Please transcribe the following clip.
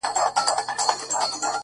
• ویل ژر سه مُلا پورته سه کښتۍ ته,